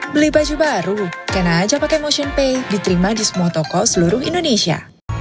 beli baju baru kena aja pake motionpay diterima di semua toko seluruh indonesia